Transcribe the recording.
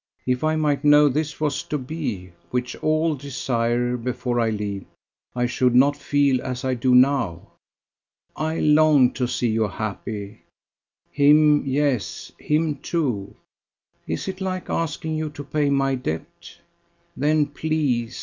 "If I might know this was to be, which all desire, before I leave, I should not feel as I do now. I long to see you happy ... him, yes, him too. Is it like asking you to pay my debt? Then, please!